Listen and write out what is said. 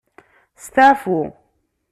Staɛfu